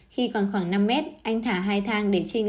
khi còn khoảng năm m anh thả hai thang để trinh